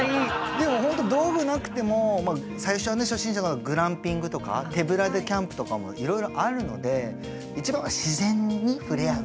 でも本当道具なくても最初はね初心者はグランピングとか手ぶらでキャンプとかもいろいろあるので一番は自然に触れ合う。